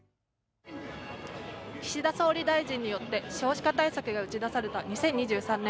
岸田総理大臣によって少子化対策が打ち出された２０２３年。